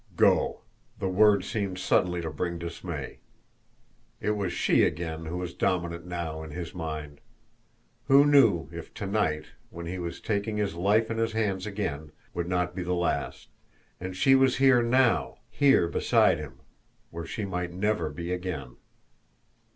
Go! The word seemed suddenly to bring dismay. It was she again who was dominant now in his mind. Who knew if to night, when he was taking his life in his hands again, would not be the last! And she was here now, here beside him where she might never be again!